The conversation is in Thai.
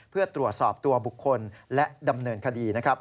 เพื่อตรวจสอบตัวบุคคลและดำเนินคดีนะครับ